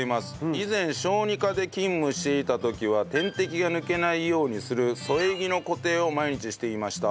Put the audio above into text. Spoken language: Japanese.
以前小児科で勤務していた時は点滴が抜けないようにする添え木の固定を毎日していました。